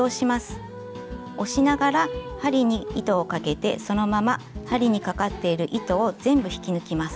押しながら針に糸をかけてそのまま針にかかっている糸を全部引き抜きます。